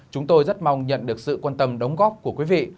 chúng tôi rất mong nhận được sự quan tâm đóng góp của quý vị